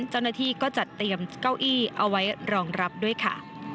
เจ้าหน้าที่ก็จัดเตรียมเก้าอี้เอาไว้รองรับด้วยค่ะ